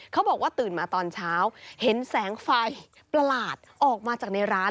เขาบอกว่าตื่นมาตอนเช้าเห็นแสงไฟประหลาดออกมาจากในร้าน